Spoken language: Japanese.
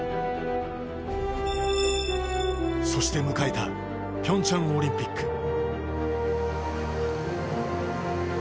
そして迎えたピョンチャンオリンピック。